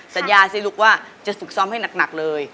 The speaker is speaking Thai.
สัญญาสิลูกว่าจะฝึกซ้อมให้หนักเลย